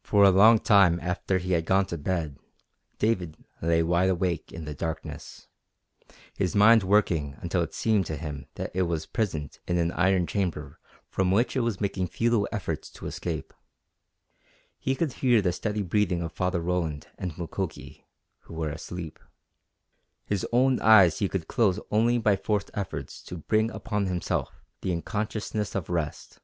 For a long time after he had gone to bed David lay wide awake in the darkness, his mind working until it seemed to him that it was prisoned in an iron chamber from which it was making futile efforts to escape. He could hear the steady breathing of Father Roland and Mukoki, who were asleep. His own eyes he could close only by forced efforts to bring upon himself the unconsciousness of rest.